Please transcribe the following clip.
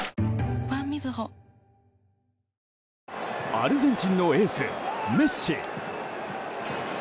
アルゼンチンのエースメッシ。